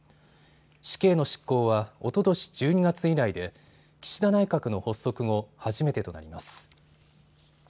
死刑の執行はおととし１２月以来で岸田内閣の発足後、初めてとなります。